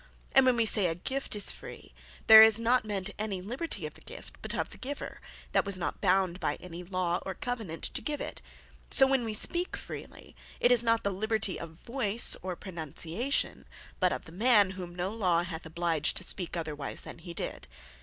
And when we say a Guift is free, there is not meant any liberty of the Guift, but of the Giver, that was not bound by any law, or Covenant to give it. So when we Speak Freely, it is not the liberty of voice, or pronunciation, but of the man, whom no law hath obliged to speak otherwise then he did.